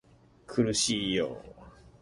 苦しいよ